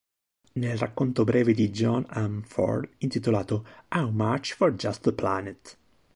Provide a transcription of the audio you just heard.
Nel racconto breve di John M. Ford intitolato "How Much for Just the Planet?